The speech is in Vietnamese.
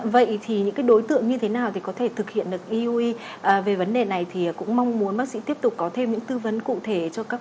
vậy thì những đối tượng như thế nào có thể thực hiện được eui về vấn đề này thì cũng mong muốn bác sĩ tiếp tục có thêm những tư vấn cụ thể